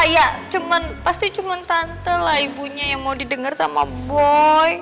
ya pasti cuma tante lah ibunya yang mau didengar sama boy